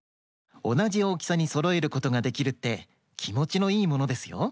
おなじおおきさにそろえることができるってきもちのいいものですよ。